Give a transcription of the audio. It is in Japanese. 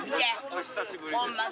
お久しぶりです。